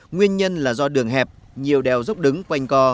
nguyên nhân là do đường hẹp nhiều đèo dốc đứng quanh co